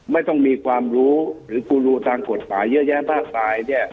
ไม่ต้องมีความรู้หรือกูรูทางกฎหมายเยอะแยะมากมายเนี่ย